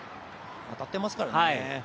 当たっていますからね。